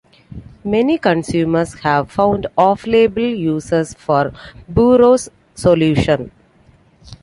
Many consumers have found off-label uses for Burow's solution.